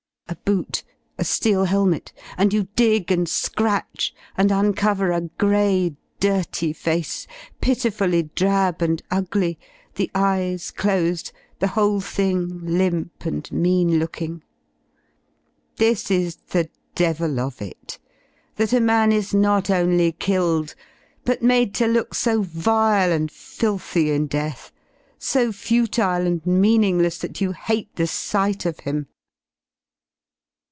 A boot, a ^eel helmet — and you dig and scratch and uncover a grey, dirty face, pitifully drab and ugly, the eyes closed, the whole thing limp and mean looking: this is the devil of it, that a man is not only killed, but made to look so vile and filthy in<* death, so futile and meaningless that you hate the sight of j him.